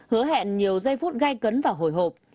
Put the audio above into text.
hứa hẹn nhiều giây phút gai cấn và hồi hộp